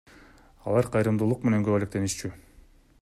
Алар кайрымдуулук менен көп алектенишчү.